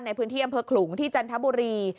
ในพื้นที่แอมเปอร์ขุงที่จันทบุรี